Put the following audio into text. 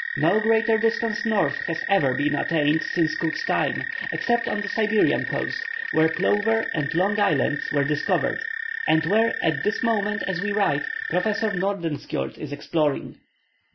No greater distance north has ever been attained since Cook's time, except on the Siberian coast where Plover and Long Islands were discovered, and where at this moment, as we write, Professor Nordenskjold is exploring.